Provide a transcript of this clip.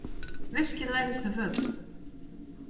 Wiskje lêste wurd.